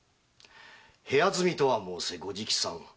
部屋住みとは申せ御直参。